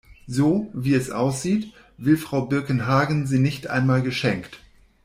So, wie es aussieht, will Frau Birkenhagen sie nicht einmal geschenkt.